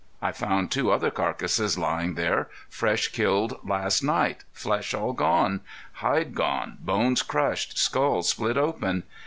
I found two other carcasses layin' there, fresh killed last night, flesh all gone, hide gone, bones crushed, skull split open.